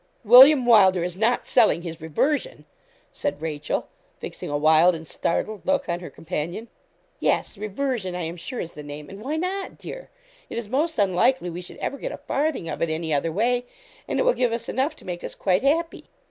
'William Wylder is not selling his reversion?' said Rachel, fixing a wild and startled look on her companion. 'Yes, reversion, I am sure, is the name. And why not, dear? It is most unlikely we should ever get a farthing of it any other way, and it will give us enough to make us quite happy.'